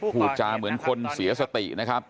พูดจาเหมือนคนเสียสตินะครับ